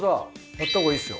やったほうがいいですよ。